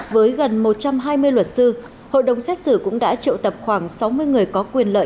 với gần một trăm hai mươi luật sư hội đồng xét xử cũng đã triệu tập khoảng sáu mươi người có quyền lợi